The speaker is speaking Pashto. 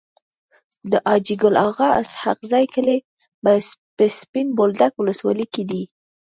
د حاجي ګل اغا اسحق زي کلی په سپين بولدک ولسوالی کي دی.